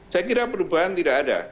saya kira perubahan tidak ada